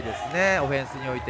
オフェンスにおいて。